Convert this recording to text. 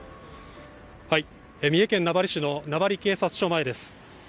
三重県名張市の名張警察署前です。